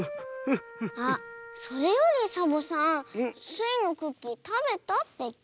あっそれよりサボさんスイのクッキーたべたっていった？